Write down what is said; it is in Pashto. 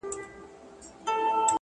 هره ورځ د بدلون نوې دروازه ده،